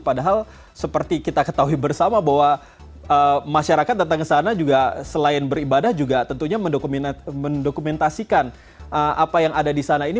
padahal seperti kita ketahui bersama bahwa masyarakat datang ke sana juga selain beribadah juga tentunya mendokumentasikan apa yang ada di sana ini